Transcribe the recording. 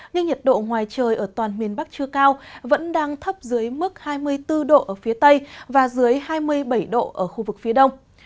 nhưng nhiệt độ ngoài trời ở toàn miền bắc chưa cao vẫn đang thấp dưới mức hai mươi bốn độ ở phía tây và dưới hai mươi bảy độ ở khu vực phía đông